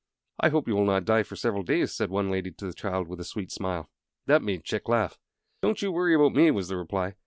"I hope you will not die for several days," one lady said to the child, with a sweet smile. That made Chick laugh. "Don't you worry about me," was the reply.